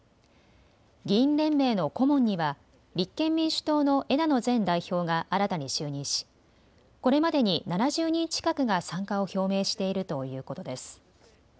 議員連盟の顧問には立憲民主党の枝野前代表が新たに就任しこれまでに７０人近くが参加を表明しているということです。